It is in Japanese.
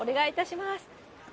お願いいたします。